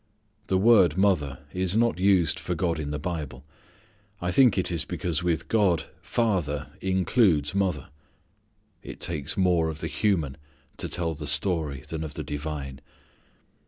The word mother is not used for God in the Bible. I think it is because with God "father" includes "mother." It takes more of the human to tell the story than of the divine.